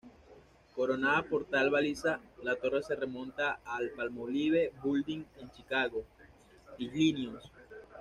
Coronada por tal baliza, la torre se remonta al Palmolive Building en Chicago, Illinois.